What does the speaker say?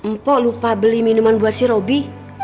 mpo lupa beli minuman buat si robi